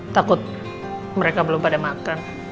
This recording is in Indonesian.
takut mereka belum pada makan